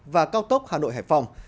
và cao tốc hà nội hải phòng